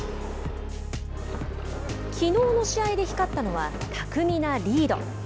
きのうの試合で光ったのは巧みなリード。